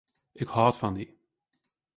Ik hâld fan dy.